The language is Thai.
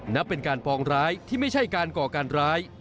นับเป็นการปองร้ายที่ไม่ใช่การก่อการร้าย